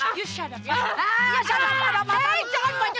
kamu harus pulang kamu harus pulang